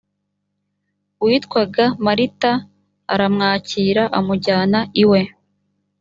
witwaga marita aramwakira amujyana iwe